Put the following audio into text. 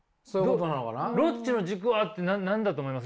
ロッチの軸はって何だと思います？